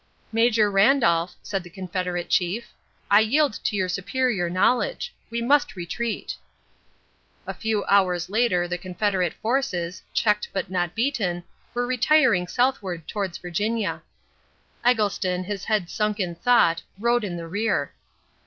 "Major Randolph," said the Confederate chief, "I yield to your superior knowledge. We must retreat." A few hours later the Confederate forces, checked but not beaten, were retiring southward towards Virginia. Eggleston, his head sunk in thought, rode in the rear.